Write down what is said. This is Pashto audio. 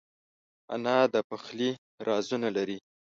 انا د پخلي رازونه لري